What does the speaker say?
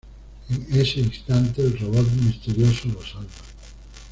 En ese instante el robot misterioso lo salva.